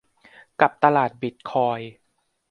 กับตลาดบิตคอยน์